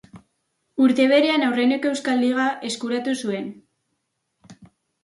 Urte berean aurreneko Euskal Liga eskuratu zuen.